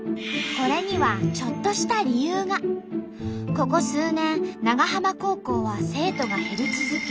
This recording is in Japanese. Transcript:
ここ数年長浜高校は生徒が減り続け